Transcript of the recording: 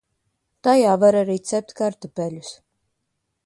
Tajā var arī cept kartupeļus.